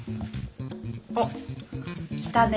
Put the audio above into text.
おっ来たね